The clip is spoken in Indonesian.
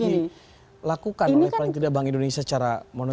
apa yang harus dilakukan oleh pertidak bank indonesia secara monetar